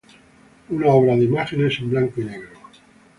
Una obra de imágenes en blanco y negro.